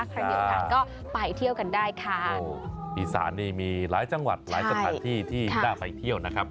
ครั้งเดียวกันก็ไปเที่ยวกันได้ค่ะอีสานนี่มีหลายจังหวัดหลายสถานที่ที่ได้ไปเที่ยวนะครับ